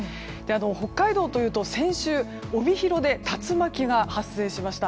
北海道というと先週、帯広で竜巻が発生しました。